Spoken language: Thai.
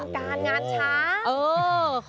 การงานช้าง